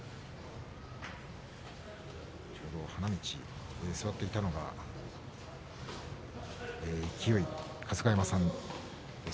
ちょうど花道、座っていたのが勢春日山さんです。